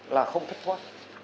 là không thích hoa